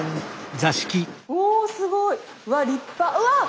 おすごい！うわ立派。